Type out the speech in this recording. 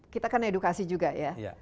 kita kan edukasi juga ya